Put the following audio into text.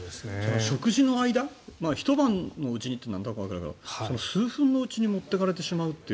食事の間、ひと晩のうちにというのはわかるけど数分のうちに持っていかれてしまうと。